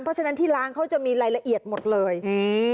เพราะฉะนั้นที่ร้านเขาจะมีรายละเอียดหมดเลยอืม